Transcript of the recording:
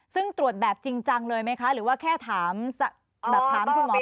ซึ่งตรวจแบบจริงจังเลยไหมคะหรือว่าแค่ถามแบบถามคุณหมอ